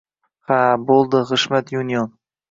- Xa bo‘ldi G‘ishmat Yunion...